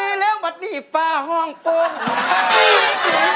ดีเย็นมายากมานี่ฟ้าฮ่องปุ้ง